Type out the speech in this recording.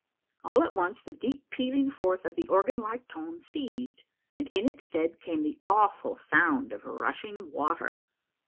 All at once the deep pealing forth of the organ like tone ceased, and in its stead came the awful sound of rushing water.